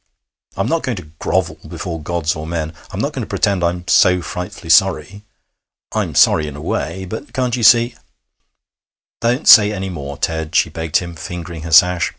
I'm not going to grovel before gods or men. I'm not going to pretend I'm so frightfully sorry. I'm sorry in a way. But can't you see ' 'Don't say any more, Ted,' she begged him, fingering her sash.